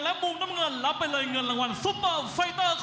เบลูและเลคาเนครับ๑๐๐๐๐บาทอีก